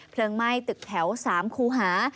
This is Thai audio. เพลิงไหม้ตึกแถว๓ครูหา